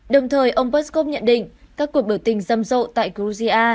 đồng thời ông peskov nhận định các cuộc biểu tình râm rộ tại georgia